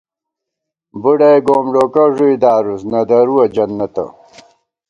بُڈَئےگوم ڈوکہ ݫُوئی دارُوس، نہ دَرُوَہ جنَّتہ